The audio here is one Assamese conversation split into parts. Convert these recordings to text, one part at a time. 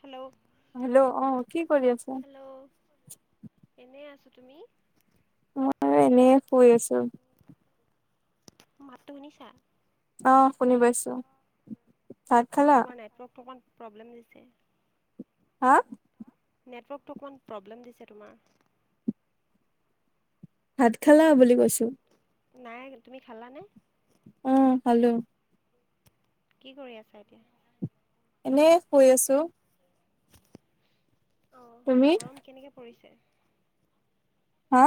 হেল্ল হেল্ল' অ কি কৰি আছা? হেল্ল এনেই আছো তুমি মইয়ো এনে শুই আছো মোৰ মাততো শুনিছা অ শুনি পাইছো ভাত অ খালা? তোমাৰ নেটৱৰ্কটো অকমান প্ৰব্লেম দিছে হা নেটৱৰ্কটো অকণমান প্ৰব্লেম দিছে তোমাৰ ভাত খালা বুলি কৈছো নাই তুমি খালা নে অ খালো কি কৰি আছা এতিয়া এনে শুই আছো অ তুমি? গৰম কেনেকে পৰিছে হা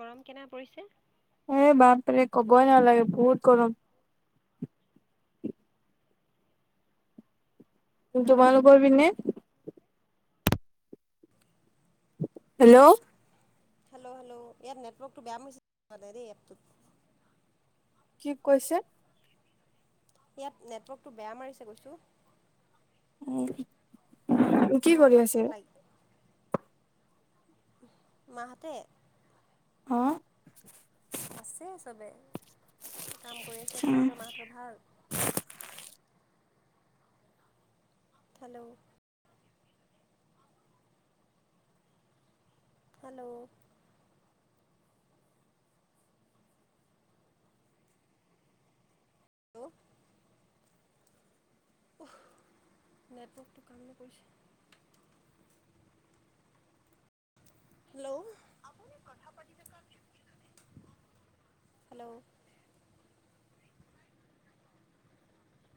গৰম কেনে পৰিছে এ বাপৰে ক'বই নালাগে বহুত গৰম হেল্ল' তোমালোকৰ পিনে হেল্ল হা হেল্ল হেল্ল ইয়াত নেটৱৰ্কটো বেয়া মাৰিছে দেই এপটোত কি কৈছে ইয়াত নেটৱৰ্কতটো বেয়া মাৰিছে কৈছো অ তোমাৰ মাতটো লাগ মাহঁতে অ আছে চবে কাম কৰি আছে উম তোমাৰহতৰ মাহঁতৰ ভাল হেল্ল' হেল্ল' হেল্ল' উহ নেটৱৰ্কটো কাম নকৰিছে হেল্ল আপুনি কথা পাতি থকা ব্যক্তি জনে আপোনাৰ হেল্ল